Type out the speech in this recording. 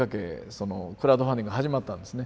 そのクラウドファンディング始まったんですね。